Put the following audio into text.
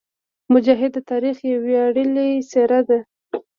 مجاهد د تاریخ یوه ویاړلې څېره ده.